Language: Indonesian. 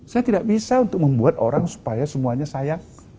saya tidak bisa untuk membuat orang supaya semuanya sayang